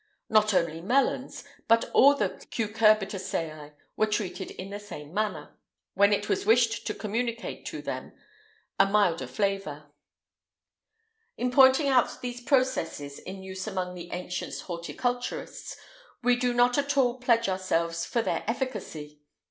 Not only melons, but all the cucurbitaceæ were treated in this manner, when it was wished to communicate to them a milder flavour.[IX 158] In pointing out these processes in use among the ancient horticulturists, we do not at all pledge ourselves for their efficacy.